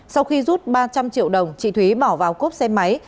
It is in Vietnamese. sau khi rút ba trăm linh triệu đồng chị thúy bỏ vào cốp xe máy